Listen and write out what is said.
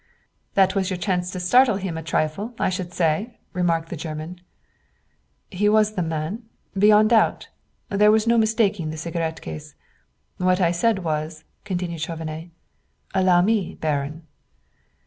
"That was your chance to startle him a trifle, I should say," remarked the German. "He was the man, beyond doubt. There was no mistaking the cigarette ease. What I said was," continued Chauvenet, "'Allow me, Baron!'"